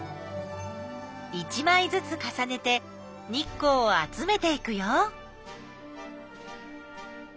１まいずつかさねて日光を集めていくよ。